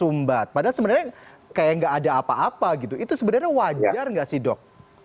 sumbat padahal sebenarnya kayak nggak ada apa apa gitu itu sebenarnya wajar nggak sih dok